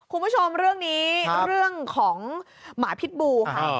คุณผู้ชมเรื่องนี้เรื่องของหมาพิษบูค่ะ